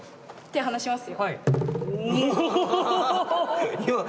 手離します。